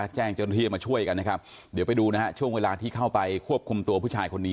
แจ้งเจรถิ่ยมาช่วยกันเดี๋ยวไปดูช่วงเวลาที่เข้าไปควบคุมตัวผู้ชายคนนี้